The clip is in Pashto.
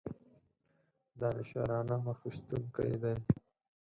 دانشورانه مخ ویستونکی دی.